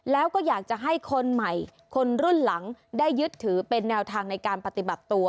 แล้วก็อยากจะให้คนใหม่คนรุ่นหลังได้ยึดถือเป็นแนวทางในการปฏิบัติตัว